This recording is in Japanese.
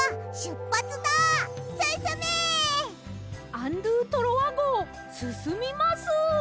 アン・ドゥ・トロワごうすすみます！